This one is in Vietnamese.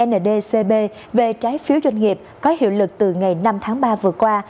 ndcp về trái phiếu doanh nghiệp có hiệu lực từ ngày năm tháng ba vừa qua